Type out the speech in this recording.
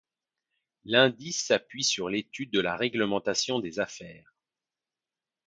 L'indice s'appuie sur l'étude de la réglementation des affaires.